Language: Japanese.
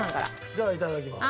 じゃあいただきます。